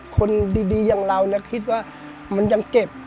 คนดีอย่างเราคิดว่ามันยังเจ็บ